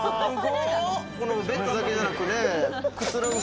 ベッドだけじゃなくね。